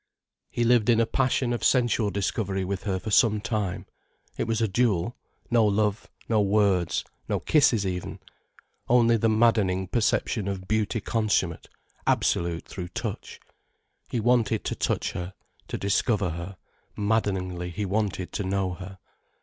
He lived in a passion of sensual discovery with her for some time—it was a duel: no love, no words, no kisses even, only the maddening perception of beauty consummate, absolute through touch. He wanted to touch her, to discover her, maddeningly he wanted to know her.